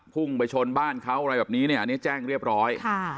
พุ่งไปชนบ้านเขาอะไรแบบนี้เนี่ยอันนี้แจ้งเรียบร้อย